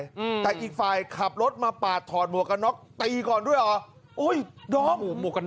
อืมแต่อีกฝ่ายขับรถมาปาดถอนหมวกนอกตีก่อนด้วยหรอโอ้ยด้อง